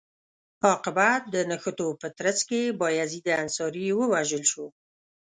عاقبت د نښتو په ترڅ کې بایزید انصاري ووژل شو.